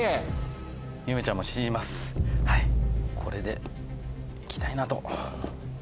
これでいきたいなと。